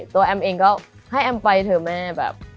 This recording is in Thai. แอมเองก็ให้แอมไปเถอะแม่แบบ